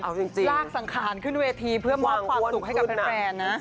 เอาจริงลากสังขารขึ้นเวทีเพื่อมอบความสุขให้กับแฟนนะ